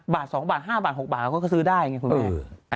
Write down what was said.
บาท๒บาท๕บาท๖บาทเขาก็ซื้อได้ไงคุณแม่